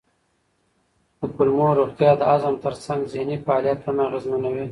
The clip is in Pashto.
د کولمو روغتیا د هضم ترڅنګ ذهني فعالیت هم اغېزمنوي.